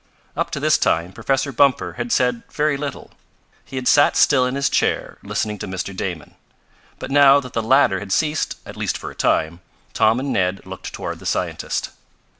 Up to this time Professor Bumper had said very little. He had sat still in his chair listening to Mr. Damon. But now that the latter had ceased, at least for a time, Tom and Ned looked toward the scientist.